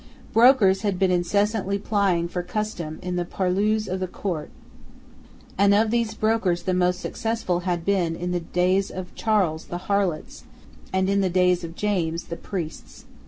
Brokers had been incessantly plying for custom in the purlieus of the court; and of these brokers the most successful had been, in the days of Charles, the harlots, and in the days of James, the priests.